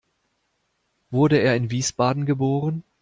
Wurde er in Wiesbaden geboren?